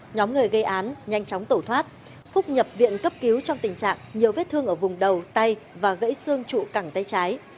nhóm người gây án nhanh chóng tẩu thoát phúc nhập viện cấp cứu trong tình trạng nhiều vết thương ở vùng đầu tay và gãy xương trụ cẳng tay trái